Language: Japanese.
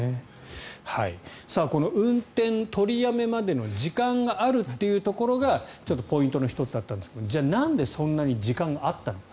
この運転取りやめまでの時間があるっていうところがちょっとポイントの１つだったんですがじゃあ、なんでそんなに時間があったのか。